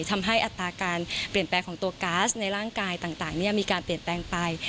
อัตราการเปลี่ยนแปลงของตัวก๊าซในร่างกายต่างมีการเปลี่ยนแปลงไป